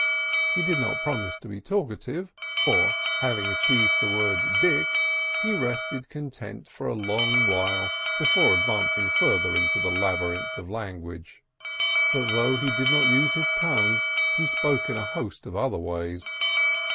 He did not promise to be talkative, for, having achieved the word "Dick," he rested content for a long while before advancing further into the labyrinth of language; but though he did not use his tongue, he spoke in a host of other ways.